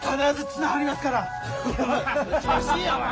調子いいよお前。